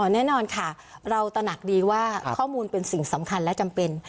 แน่นอนค่ะเราตระหนักดีว่าข้อมูลเป็นสิ่งสำคัญและจำเป็น